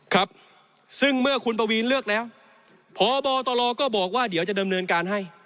ครับซึ่งเมื่อคุณปวีนเลือกแล้วพบตรก็บอกว่าเดี๋ยวจะดำเนินการให้